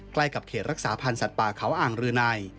ใกล้กับเขตรักษาพันธ์สัตว์ป่าเขาอ่างรืนัย